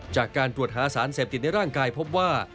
จากการตรวจหาสารเสพติดในร่างกายพบว่า